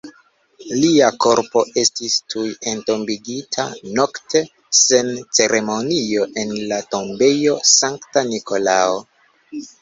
Lia korpo estis tuj entombigita nokte sen ceremonio en la Tombejo Sankta Nikolao.